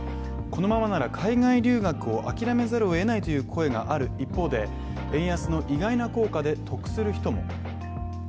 このままなら海外留学を諦めざるを得ないという声がある一方で、円安の意外な効果で得する人も。